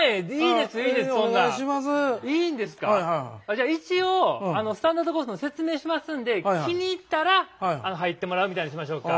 じゃあ一応スタンダードコースの説明しますんで気に入ったら入ってもらうみたいにしましょうか。